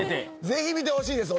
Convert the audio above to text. ぜひ見てほしいです。